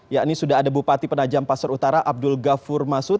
yakni sudah ada bupati penajam pasar utara abdul ghafur masud